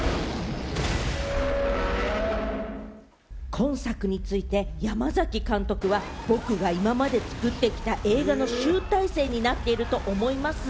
今作について山崎監督は僕が今まで作ってきた映画の集大成になっていると思います。